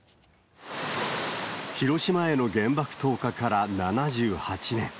広島への原爆投下から７８年。